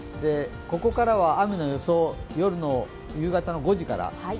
ここからは雨の予想、夜の夕方５時から。